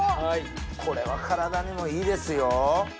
これは体にもいいですよ。